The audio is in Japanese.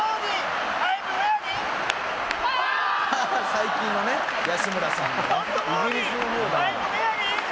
「最近のね安村さんの」